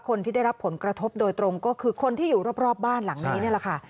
คนที่ได้รับผลกระทบโดยตรงก็คือคนที่อยู่รอบบ้านหลังนี้นี่แหละค่ะ